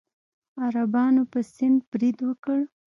عربانو په سند برید وکړ.